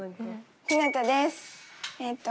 ひなたです。